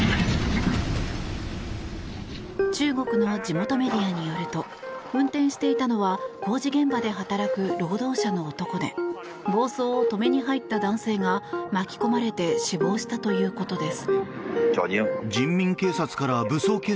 中国の地元メディアによると運転していたのは工事現場で働く労働者の男で暴走を止めに入った男性が巻き込まれて死亡したということです。